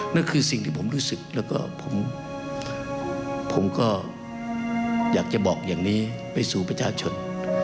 นั่นคือสิ่งที่ผมรู้สึกแล้วก็ผมก็อยากจะบอกอย่างนี้ไปสู่ประชาชน